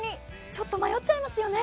ちょっと迷っちゃいますよね。